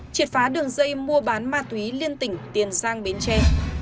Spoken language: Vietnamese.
triệt phá đường dây mua bán ma túy liên tỉnh tiền giang bến tre